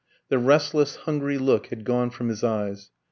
The restless, hungry look had gone from his eyes.